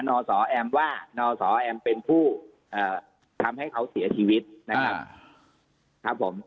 นสแอมว่านสแอมเป็นผู้ทำให้เขาเสียชีวิตนะครับครับผม